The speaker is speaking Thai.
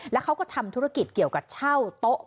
แล้วเขาก็ทำธุรกิจเกี่ยวกับเช่าโต๊ะ